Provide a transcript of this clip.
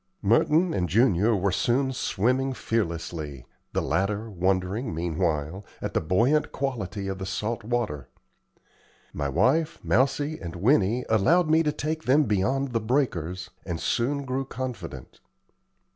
Merton and Junior were soon swimming fearlessly, the latter wondering, meanwhile, at the buoyant quality of the salt water. My wife, Mousie, and Winnie allowed me to take them beyond the breakers, and soon grew confident.